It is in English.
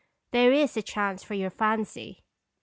There is a chance for your fancy."